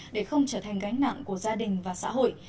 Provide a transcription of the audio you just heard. để không trở thành gánh nặng của gia đình và xã hội